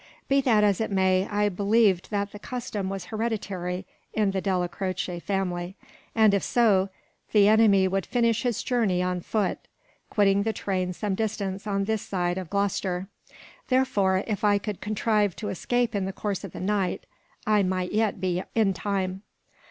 Be that as it may, I believed that the custom was hereditary in the Della Croce family; and if so, the enemy would finish his journey on foot, quitting the train some distance on this side of Gloucester. Therefore if I could contrive to escape in the course of the night, I might yet be in time.